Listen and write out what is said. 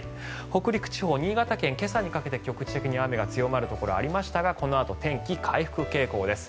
北陸地方、新潟県今朝にかけて局地的に雨が強まるところがありましたがこのあと天気回復傾向です。